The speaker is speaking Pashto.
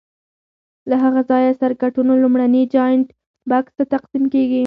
له هغه ځایه سرکټونو لومړني جاینټ بکس ته تقسیم کېږي.